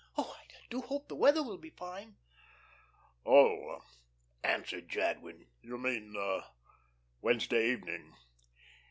Oh, I do hope the weather will be fine." "Oh," answered Jadwin, "you mean Wednesday evening.